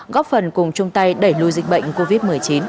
góp phần cùng chung tay đẩy lùi dịch bệnh covid một mươi chín